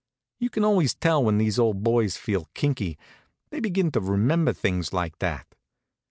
You can always tell when these old boys feel kinky they begin to remember things like that.